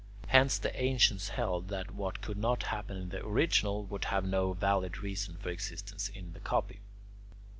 Hence the ancients held that what could not happen in the original would have no valid reason for existence in the copy.